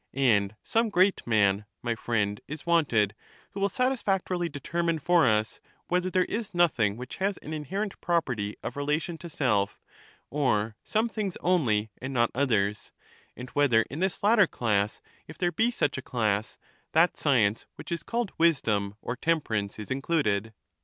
And some great man, my friend, is wanted, who wiU satisfactorily determine for us, whether there is nothing which has an inherent CHARMIDES 31 property of relation to self, or someifaings only and not others; and whether in this latter class, if there be such a class, that science which is called wisdom or temperance is included.